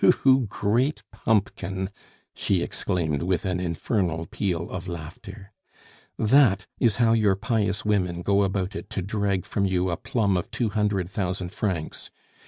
"You great pumpkin!" she exclaimed, with an infernal peal of laughter. "That is how your pious women go about it to drag from you a plum of two hundred thousand francs.